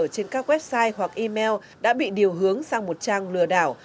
trên các website hoặc email đã bị điều hướng sang một trang lừa đảo